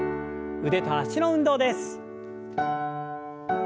腕と脚の運動です。